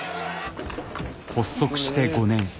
発足して５年。